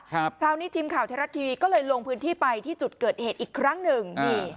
เช้านี้ทีมข่าวไทยรัฐทีวีก็เลยลงพื้นที่ไปที่จุดเกิดเหตุอีกครั้งหนึ่งนี่